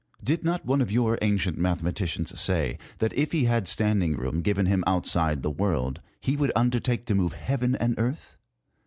Did not one of your ancient mathematicians say, that if he had standing room given him outside the world, he would undertake to move heaven and earth